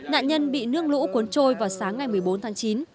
nạn nhân bị nước lũ cuốn trôi vào sáng ngày một mươi bốn tháng chín